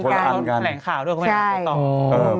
แหล่งข่าวด้วยคือไหมครับก็ต้อง